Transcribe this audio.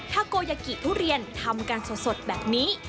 โกยากิทุเรียนทำกันสดแบบนี้